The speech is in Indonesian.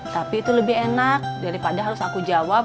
tapi itu lebih enak daripada harus aku jawab